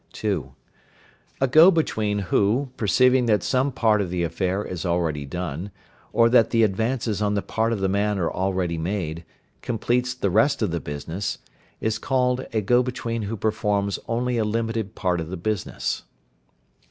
(2). A go between who, perceiving that some part of the affair is already done, or that the advances on the part of the man are already made, completes the rest of the business, is called a go between who performs only a limited part of the business.